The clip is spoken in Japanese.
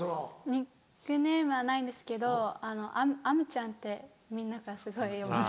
ニックネームはないんですけどあむちゃんってみんなからすごい呼ばれます。